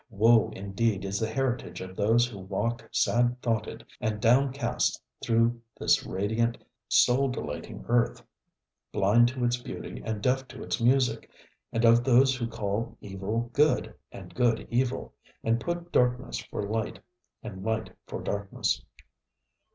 Woe, indeed, is the heritage of those who walk sad thoughted and downcast through this radiant, soul delighting earth, blind to its beauty and deaf to its music, and of those who call evil good, and good evil, and put darkness for light, and light for darkness.